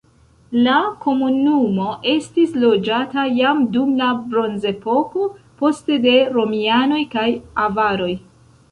La komunumo estis loĝata jam dum la bronzepoko, poste de romianoj kaj avaroj.